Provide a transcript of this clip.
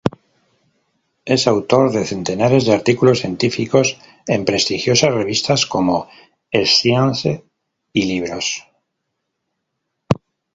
Es autor de centenares de artículos científicos en prestigiosas revistas, como "Science", y libros.